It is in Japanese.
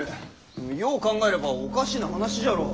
よう考えればおかしな話じゃろう。